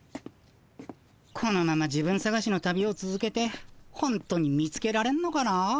このまま自分さがしの旅をつづけてほんとに見つけられんのかなぁ。